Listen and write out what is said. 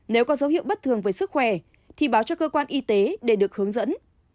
nếu có dấu hiệu bất thường với sức khỏe thì báo cho cơ quan y tế để được hướng dẫn